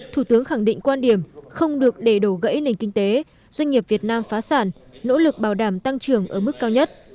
thủ tướng khẳng định quan điểm không được để đổ gãy nền kinh tế doanh nghiệp việt nam phá sản nỗ lực bảo đảm tăng trưởng ở mức cao nhất